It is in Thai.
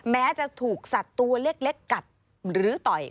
แม้จะถูกสัตว์ตัวเล็กกัดหรือต่อย